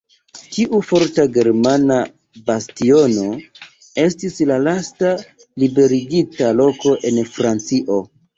Tiu forta germana bastiono estis la lasta liberigita loko en Francio.